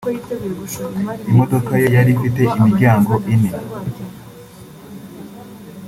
Imodoka ye yari ifite imiryango ine